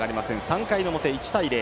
３回の表１対０。